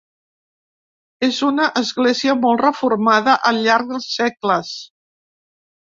És una església molt reformada al llarg dels segles.